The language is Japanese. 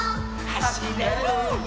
「はしれるよ」